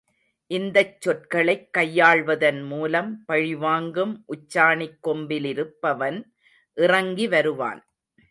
இந்தச் சொற்களைக் கையாள்வதன் மூலம் பழிவாங்கும் உச்சாணிக் கொம்பிலிருப்பவன் இறங்கி வருவான்.